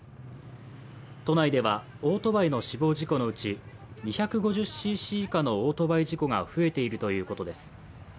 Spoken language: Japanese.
都内ではオートバイの死亡事故のうち２５０ｃｃ以下のオートバイ事故が増えているということです。